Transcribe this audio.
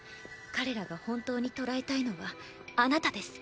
彼らが本当に捕らえたいのはあなたです。